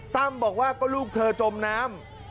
ตั้มบอกว่าก็ลูกเธอจมน้ำ